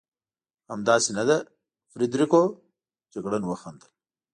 همداسې نه ده فرېدرېکو؟ جګړن وخندل.